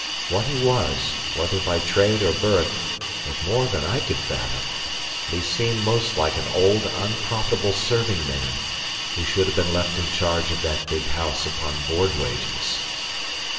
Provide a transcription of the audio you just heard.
What he was, whether by trade or birth, was more than I could fathom; but he seemed most like an old, unprofitable serving man, who should have been left in charge of that big house upon board wages.